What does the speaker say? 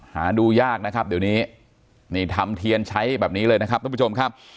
หาดูยากนะครับเดี๋ยวนี้นี่ทำเทียนใช้แบบนี้เลยนะครับทุกผู้ชมครับ